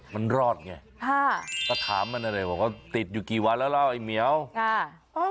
มันรอดไงถามมันอะไรว่าติดอยู่กี่วันแล้วไอ้เมี๊ยวอ่า